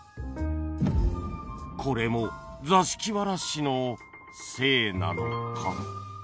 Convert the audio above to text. これもざしきわらしのせいなのか